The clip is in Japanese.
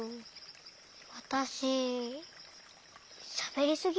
わたししゃべりすぎ？